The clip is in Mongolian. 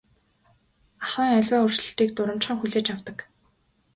Ахуйн аливаа өөрчлөлтийг дурамжхан хүлээж авдаг.